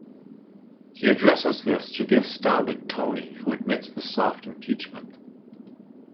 He addresses this to the astounded Tony, who admits the soft impeachment.